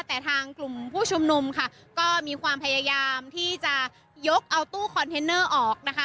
แต่ทางกลุ่มผู้ชุมนุมค่ะก็มีความพยายามที่จะยกเอาตู้คอนเทนเนอร์ออกนะคะ